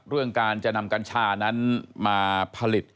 เรื่องการจะนำกัญชานั้นมาผลิต